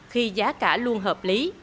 khi giá cả luôn hợp lý